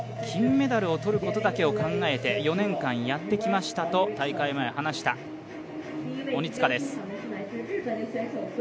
金メダルを取ることだけを考えて４年間やってきましたと大会前、話した鬼塚です。